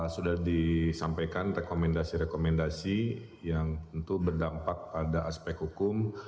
sudah disampaikan rekomendasi rekomendasi yang tentu berdampak pada aspek hukum